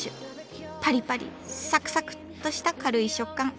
パリパリサクサクッとした軽い食感。